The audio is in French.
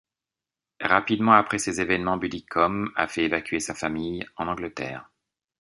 Rapidement après ces évènements Buddicom a fait évacuer sa famille en Angleterre.